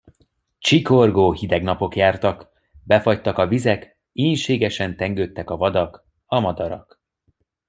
Csikorgó, hideg napok jártak, befagytak a vizek, ínségesen tengődtek a vadak, a madarak.